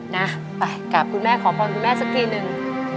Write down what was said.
นะไปกับคุณแม่ขอพรคุณแม่สักทีนึง